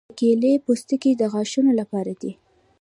د کیلې پوستکي د غاښونو لپاره دي.